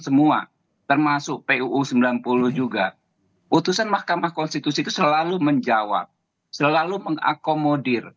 semua termasuk puu sembilan puluh juga putusan mahkamah konstitusi itu selalu menjawab selalu mengakomodir